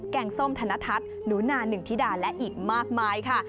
งส้มธนทัศน์หนูนาหนึ่งธิดาและอีกมากมายค่ะ